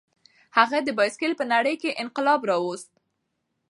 هغه د بایسکل په نړۍ کې انقلاب راوست.